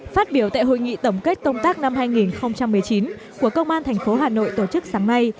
phát biểu tại hội nghị tổng kết công tác năm hai nghìn một mươi chín của công an thành phố hà nội tổ chức sáng nay